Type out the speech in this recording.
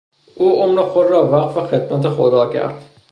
او عمر خود را وقف خدمت خدا کرد.